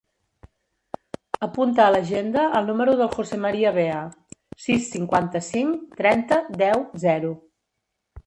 Apunta a l'agenda el número del José maria Bea: sis, cinquanta-cinc, trenta, deu, zero.